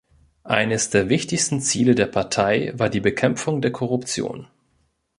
Eines der wichtigsten Ziele der Partei war die Bekämpfung der Korruption.